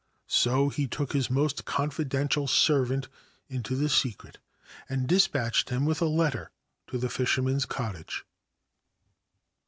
So he took his most confidential servant into the secret, and despatched him with a letter to the fisherman's cottage.